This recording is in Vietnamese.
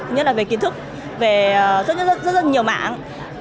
nhất là về kiến thức về rất nhiều mảng